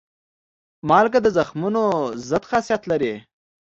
مالګه د زخمونو ضد خاصیت لري.